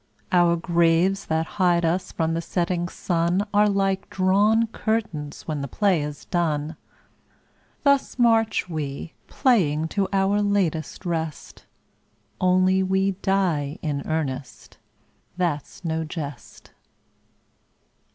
Our graves that hide us from the setting sun Are like drawn curtains when the play is done. Thus march we, playing, to our latest rest, Only we die in earnest, that's no jest.